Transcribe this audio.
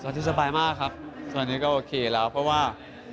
ตอนนี้สบายมากครับตอนนี้ก็โอเคแล้วเพราะว่า